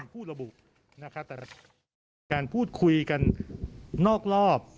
การพูดคุยกันนอกรอบ